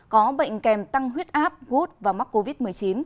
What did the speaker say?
có bệnh kèm tăng huyết áp gút và mắc covid một mươi chín